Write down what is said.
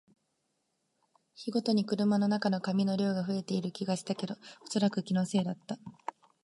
日ごとに車の中の紙の量が増えている気もしたけど、おそらく気のせいだった